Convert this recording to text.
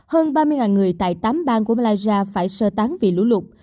hơn ba mươi người tại tám bang của malaysia phải sơ tán vì lũ lụt